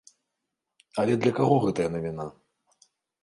Але для каго гэта навіна?